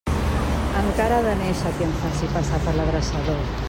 Encara ha de néixer qui em faci passar per l'adreçador.